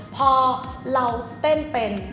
พอเราเต้นเป็น